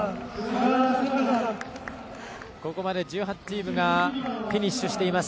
ここまで１８チームがフィニッシュしています。